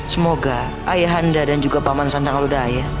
semoga ayah anda dan juga paman sanjang lodaya